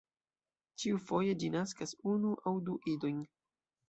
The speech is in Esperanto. Ĉiufoje ĝi naskas unu aŭ du idojn.